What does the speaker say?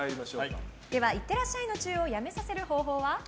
では、いってらっしゃいのチューをやめさせる方法は？